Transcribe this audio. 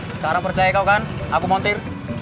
sekarang percaya kau kan aku mau tir